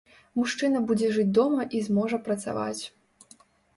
Мужчына будзе жыць дома і зможа працаваць.